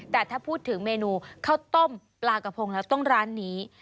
แต่ถ้าพูดถึงเมนูข้าวต้มปลากระพงแล้วต้องร้านนี้